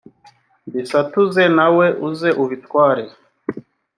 mbisatuze nawe uze ubitware